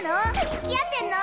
付き合ってんの？